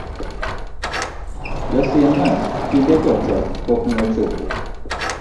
josim mach kinde go te pok nochopo